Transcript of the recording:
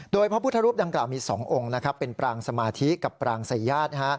โดยพระพุทธรูปดังกล่าวมี๒องค์เป็นปรางสมาธิกับปรางสายญาติ